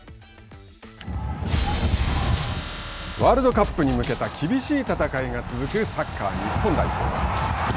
ワールドカップに向けた厳しい戦いが続くサッカー日本代表。